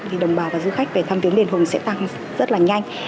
thì đồng bào và du khách về thăm tiếng đền hùng sẽ tăng rất là nhanh